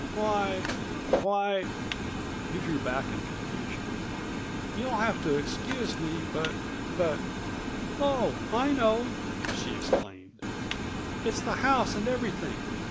"Why—why—" he drew back in confusion—"you'll have to excuse me but—but—" "Oh! I know!" she exclaimed. "It's the house and everything.